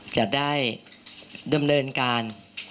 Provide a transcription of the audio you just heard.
จะได้ดำเนินการ